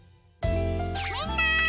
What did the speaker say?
みんな！